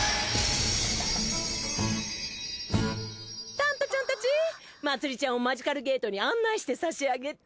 タントちゃんたちまつりちゃんをマジカルゲートに案内して差し上げて。